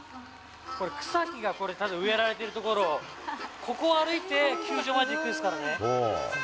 これ、草木がただ植えられている所を、ここを歩いて球場まで行くんですからね。